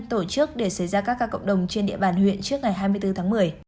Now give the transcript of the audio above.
tổ chức để xảy ra các ca cộng đồng trên địa bàn huyện trước ngày hai mươi bốn tháng một mươi